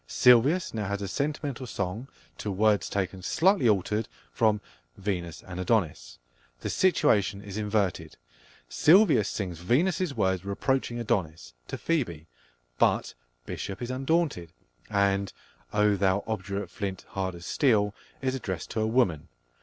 Silvius now has a sentimental song to words taken, slightly altered, from Venus and Adonis. The situation is inverted: Silvius sings Venus's words reproaching Adonis, to Phoebe; but Bishop is undaunted, and "Oh thou obdurate flint, hard as steel" is addressed to a woman!